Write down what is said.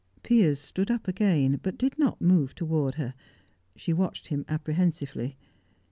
Piers stood up again, but did not move toward her. She watched him apprehensively.